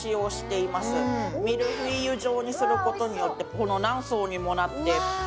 ミルフィーユ状にすることによってこの何層にもなってぱりっとした食感に。